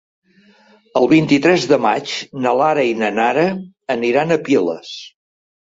El vint-i-tres de maig na Lara i na Nara aniran a Piles.